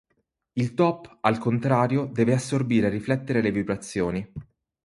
Il top, al contrario, deve assorbire e riflettere le vibrazioni.